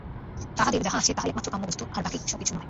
তাঁহাদের যাহা আছে তাহাই একমাত্র কাম্য বস্তু, আর বাকী সব কিছুই নহে।